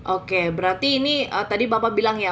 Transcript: oke berarti ini tadi bapak bilang ya